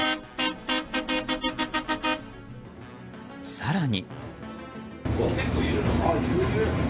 更に。